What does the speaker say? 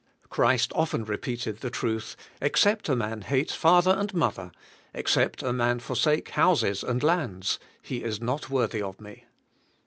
Christ often repeated the truth, "Except a man hate father and mother, except a man forsake houses and lands, he is not worthy of Me."